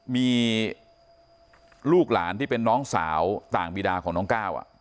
มีลูกหลานที่เป็นน้องสาวต่างบีดาของน้องก้าว